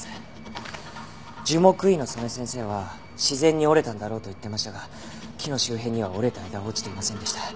樹木医の曽根先生は自然に折れたんだろうと言ってましたが木の周辺には折れた枝は落ちていませんでした。